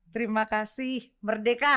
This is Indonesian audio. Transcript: terima kasih merdeka